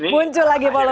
puncul lagi polemik